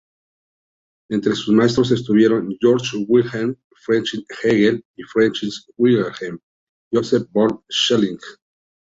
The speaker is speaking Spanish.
Entre sus maestros estuvieron Georg Wilhelm Friedrich Hegel y Friedrich Wilhelm Joseph von Schelling.